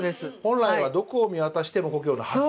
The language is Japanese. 本来は「どこを見渡しても故郷」のはず。